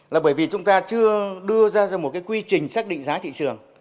là bởi vì chúng ta chưa đưa ra một quy trình xác định giá thị trường